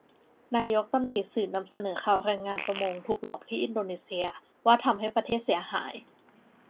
นายกตำหนิสื่อนำเสนอข่าวแรงงานประมงถูกหลอกที่อินโดนีเชีย ว่าทำให้ประเทศเสียหาย